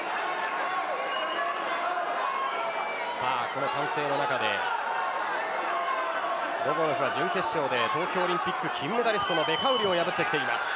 この歓声の中でボボノフは準決勝で東京オリンピック金メダリストのベカウリを破ってきています。